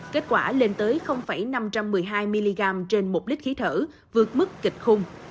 kết quả lên tới năm trăm một mươi hai mg trên một lít khí thở vượt mức kịch khung